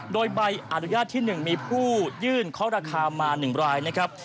โดยใบอนุญาตที่๑มีผู้ยื่นเคาะราคามา๑รายนะครับ